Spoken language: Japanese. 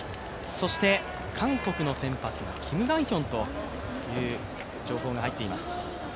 そして韓国の先発はキム・グァンヒョンという情報が入っています。